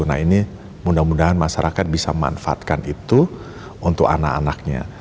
nah ini mudah mudahan masyarakat bisa memanfaatkan itu untuk anak anaknya